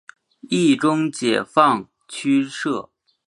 冀中解放区设。